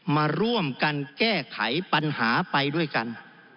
มาร่วมกันแก้ไขปัญหาไปด้วยกัน